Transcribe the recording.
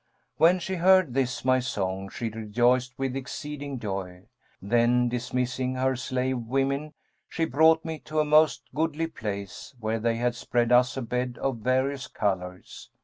When she heard this my song she rejoiced with exceeding joy; then, dismissing her slave women, she brought me to a most goodly place, where they had spread us a bed of various colours.